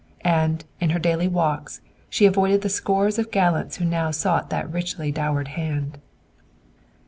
And, in her daily walks, she avoided the scores of gallants who now sought that richly dowered hand.